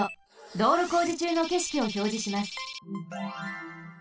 どうろこうじちゅうのけしきをひょうじします。